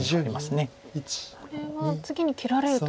これは次に切られると。